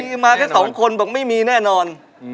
มีมาแค่สองคนบอกไม่มีแน่นอน